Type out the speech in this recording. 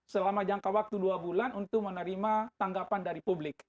selama jangka waktu dua bulan untuk menerima tanggapan dari publik